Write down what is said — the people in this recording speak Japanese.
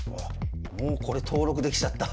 もうこれ登録できちゃった。